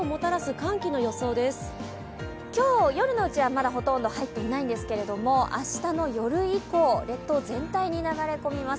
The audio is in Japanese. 今日夜のうちはまだほとんど入っていないんですけども、明日の夜以降、列島全体に流れ込みます。